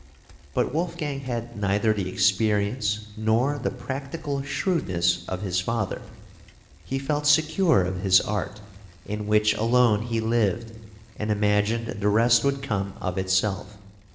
But Wolfgang had neither the experience nor the practical shrewdness of his father; he felt secure of his art, in which alone he lived, and imagined the rest would come of itse(l)f.